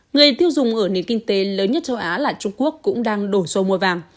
người tiêu dùng ở nền kinh tế lớn nhất châu á là trung quốc cũng đang đổ xô mua vàng